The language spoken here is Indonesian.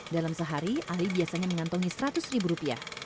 dalam sehari ali biasanya mengantongi seratus ribu rupiah